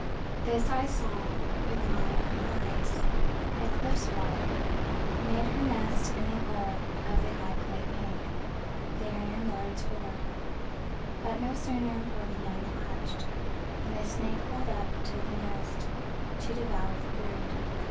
This I saw with my own eyes: A cliff—swallow Made her nest in a hole of the high clay bank There near Miller's Ford. But no sooner were the young hatched Than a snake crawled up to the nest To devour the brood.